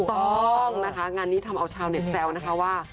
ต้องนะคะงานนี้ทำเอาชาวเน็ตแจ้วว่า